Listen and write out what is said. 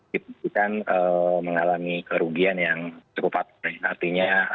kita bisa melihat bahwa ini adalah satu dari beberapa hal yang sangat penting untuk kita